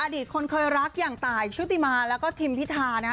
อดีตคนเคยรักอย่างตายชุติมาแล้วก็ทีมพีทาง